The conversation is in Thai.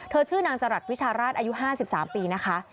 ชื่อนางจรัสวิชาราชอายุ๕๓ปีนะคะ